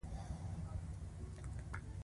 وادۀ د کورنۍ جوړولو اساس دی.